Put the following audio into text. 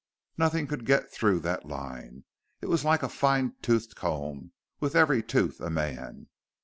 Nothing could get through that line. It was like a fine toothed comb, with every tooth a man.